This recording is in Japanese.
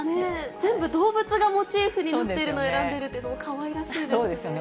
全部動物がモチーフになっているのを選んでいるというのが、かわいらしいですよね。